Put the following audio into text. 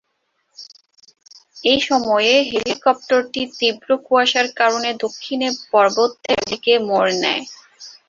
এই সময়ে হেলিকপ্টারটি তীব্র কুয়াশার কারণে দক্ষিণে পর্বতের দিকে মোড় নেয়।